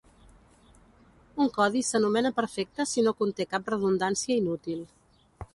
Un codi s'anomena perfecte si no conté cap redundància inútil.